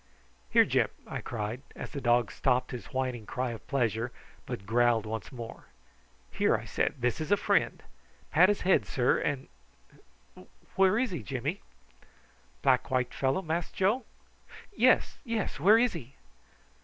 "Here, Gyp!" I cried, as the dog stopped his whining cry of pleasure, but growled once more. "Here," I said, "this is a friend. Pat his head, sir, and , where is he, Jimmy?" "Black white fellow, Mass Joe?" "Yes, yes, where is he?"